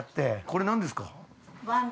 これ何ですか？